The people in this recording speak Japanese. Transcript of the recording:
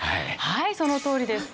はいそのとおりです。